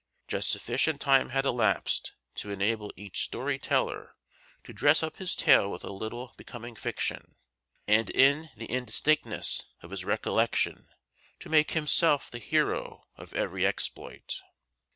Just sufficient time had elapsed to enable each storyteller to dress up his tale with a little becoming fiction, and in the indistinctness of his recollection to make himself the hero of every exploit.